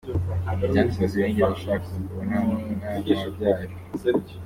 Diane Fossey ntiyigize ashaka umugabo nta n’umwana yabyaye.